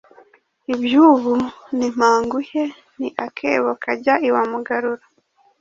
iby’ubu ni mpa nguhe ni akebo kajya iwa mugarura